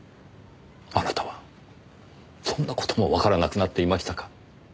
あなたはそんな事もわからなくなっていましたか？